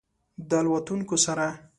د الوتونکو سره